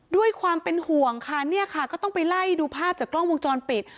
ด้วยความเป็นห่วงค่ะเนี่ยค่ะก็ต้องไปไล่ดูภาพจากกล้องวงจรปิด